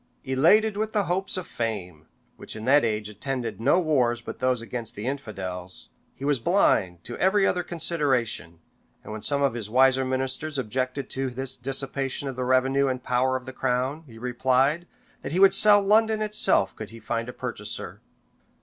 Elated with the hopes of fame, which in that age attended no wars but those against the infidels, he was blind to every other consideration; and when some of his wiser ministers objected to this dissipation of the revenue and power of the crown, he replied, that he would sell London itself could he find a purchaser.